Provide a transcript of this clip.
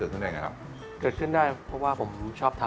ขึ้นได้ไงครับเกิดขึ้นได้เพราะว่าผมชอบทำ